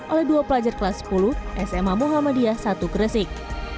oleh dua pelajar kelas sepuluh sma muhammadiyah satu gresik